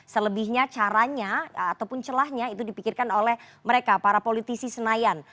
selebihnya caranya ataupun celahnya itu dipikirkan oleh mereka para politisi senayan